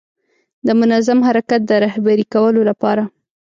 د منظم حرکت د رهبري کولو لپاره.